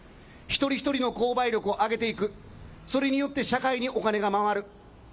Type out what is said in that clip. １人１人の購買力をあげていく、それによって社会にお金がまわる。